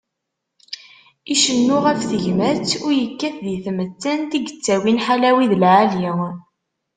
Icennu γef tegmat u yekkat di tmettan i yettawin ḥala wid lεali.